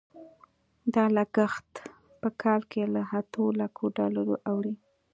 دا لګښت په کال کې له اتو لکو ډالرو اوړي.